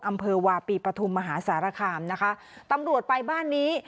อำเภอวาปีปฐุมมหาสารคามนะคะตำรวจไปบ้านนี้